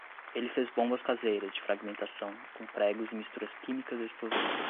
Ele fez bombas caseiras de fragmentação, com pregos e misturas químicas explosivas